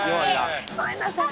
ごめんなさい。